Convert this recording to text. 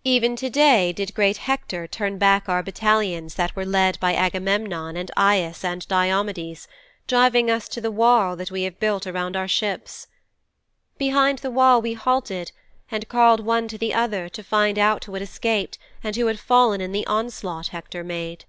"' '"Even to day did great Hector turn back our battalions that were led by Agamemnon and Aias and Diomedes, driving us to the wall that we have built around our ships. Behind that wall we halted and called one to the other to find out who had escaped and who had fallen in the onslaught Hector made.